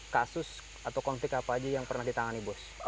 kasus atau konflik apa aja yang pernah ditangani bos